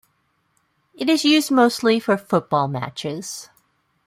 It is used mostly for football matches.